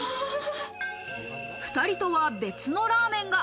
２人とは別のラーメンが。